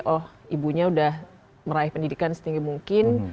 oh ibunya udah meraih pendidikan setinggi mungkin